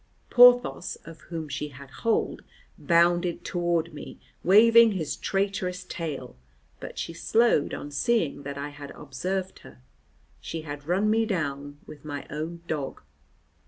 Porthos, of whom she had hold, bounded toward me, waving his traitorous tail, but she slowed on seeing that I had observed her. She had run me down with my own dog.